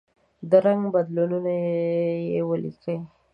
د رنګ بدلونونه یې ولیکئ.